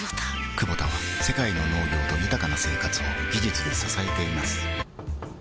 クボタは世界の農業と豊かな生活を技術で支えています起きて。